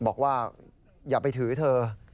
บอกว่าอย่าไปถือเธอ